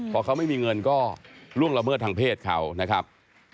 พอเขาไม่มีเงินก็ล่วงละเมิดทางเพศเขานะครับ